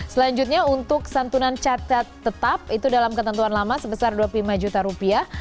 selanjutnya untuk santunan catat tetap itu dalam ketentuan lama sebesar dua puluh lima juta rupiah